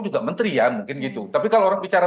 juga menteri ya mungkin gitu tapi kalau orang bicara